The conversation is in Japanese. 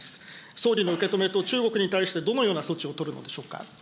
総理の受け止めと中国に対してどのような措置を取るのでしょうか。